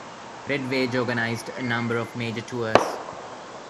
Red Wedge organised a number of major tours.